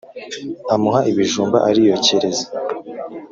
Amuha iibijumba ariyokereza